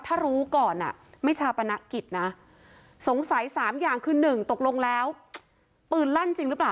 ถ้ารู้ก่อนอ่ะไม่ชาปนกิจนะสงสัยสามอย่างคือหนึ่งตกลงแล้วปืนลั่นจริงหรือเปล่า